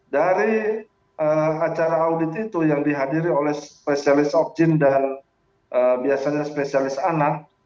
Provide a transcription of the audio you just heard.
dari acara audit itu yang dihadiri oleh spesialis opjin dan biasanya spesialis anak